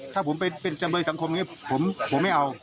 ถ้าผมไปเป็นจำเลยสังคมอย่างนี้ผมไม่เอา